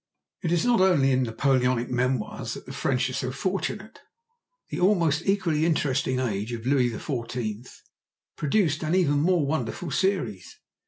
It is not only in Napoleonic memoirs that the French are so fortunate. The almost equally interesting age of Louis XIV. produced an even more wonderful series.